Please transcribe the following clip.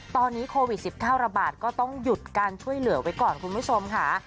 ตอนนี้โควิด๑๙ระบาดก็ต้องหยุดการช่วยเหลือไว้ก่อนคุณผู้ชมค่ะ